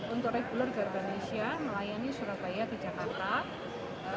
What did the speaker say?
untuk reguler garban asia melayani surabaya ke jakarta